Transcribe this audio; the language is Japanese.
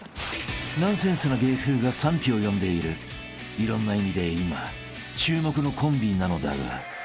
［ナンセンスな芸風が賛否を呼んでいるいろんな意味で今注目のコンビなのだが］